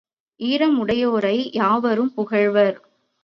ஈரம் உடையோரை யாவரும் புகழ்வர்.